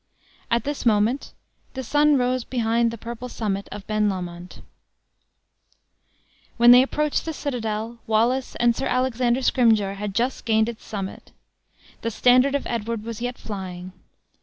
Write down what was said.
At this moment the sun rose behind the purple summit of Ben Lomond. When they approached the citadel, Wallace and Sir Alexander Scrymgeour had just gained its summit. The standard of Edward was yet flying.